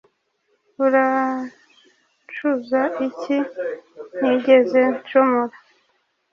urancuza iki ntigeze ncumura